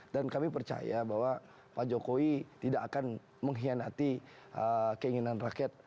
dan kami percaya bahwa pak jokowi tidak akan mengkhianati keinginan rakyat